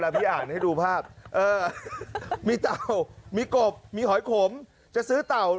อ่ะอ่ะอ่ะอ่ะอ่ะอ่ะอ่ะอ่ะอ่ะอ่ะ